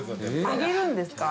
揚げるんですか？